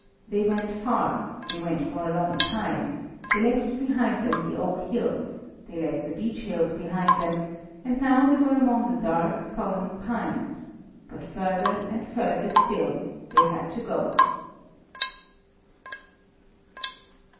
They went far, they went for a long time, they left behind them the oak hills, they left the beech hills behind them, and now they were among the dark, solemn pines, but further and further still they had to go.